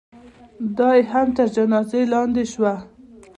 دا یې هم تر جنازې لاندې شوه.